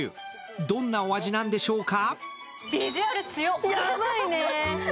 どんなお味なんでしょうか？